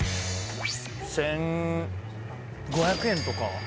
１５００円とかは？